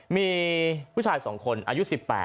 มีผู้ชาย๒คนอายุ๑๘